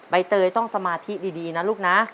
ใบเตยต้องสมาธิดีนะลูกนะ